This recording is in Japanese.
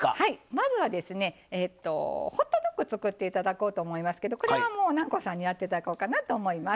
まずはホットドッグを作っていこうと思いますけどこれは、南光さんにやっていただこうと思います。